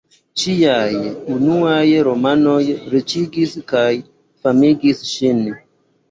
Ŝiaj unuaj romanoj riĉigis kaj famigis ŝin.